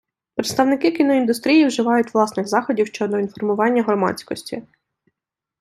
Представники кіноіндустрії вживають власних заходів, щодо інформування громадськосі.